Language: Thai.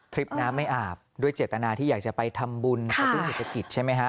คลิปน้ำไม่อาบด้วยเจตนาที่อยากจะไปทำบุญกระตุ้นเศรษฐกิจใช่ไหมฮะ